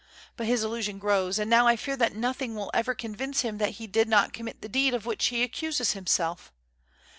But his illusion grows, and now I fear that nothing will ever convince him that he did not commit the deed of which he accuses himself.